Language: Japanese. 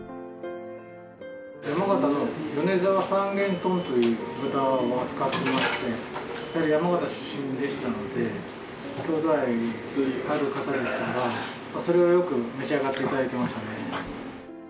山形の米沢三元豚という豚を扱ってまして、やはり山形出身でしたので、郷土愛のある方でしたから、それをよく召し上がっていただいてましたね。